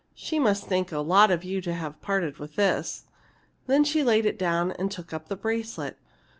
"She must think a lot of you to have parted with this!" Then she laid it down and took up the bracelet.